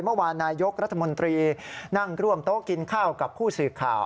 เมื่อวานนายกรัฐมนตรีนั่งร่วมโต๊ะกินข้าวกับผู้สื่อข่าว